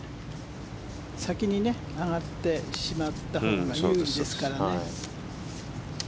先に上がってしまったほうが有利ですからね。